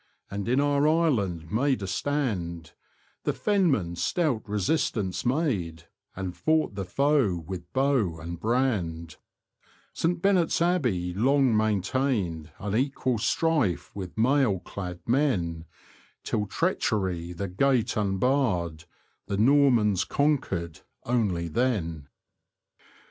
Long years rolled by : the Normans crossed, And in our island made a stand; The fenmen stout resistance made, And fought the foe with bow and brand. St. Benet's Abbey long maintained Unequal strife with mail clad men. Till treachery the gate unbarred : The Normans conquered only then.